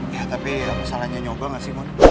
ya tapi masalahnya nyoba gak sih mon